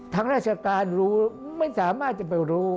ทางราชการรู้ไม่สามารถจะไปรู้